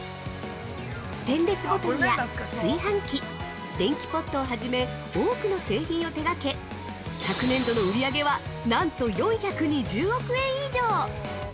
ステンレスボトルや炊飯器電気ポットをはじめ多くの製品を手がけ昨年度の売り上げはなんと４２０億円以上！